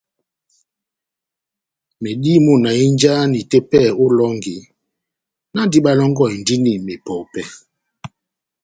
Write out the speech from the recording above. Medimɔ́ na hínjahani tepɛhɛ ó elɔngi, náhndi bálɔ́ngɔhindini mepɔpɛ́.